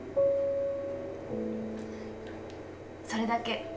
・それだけ。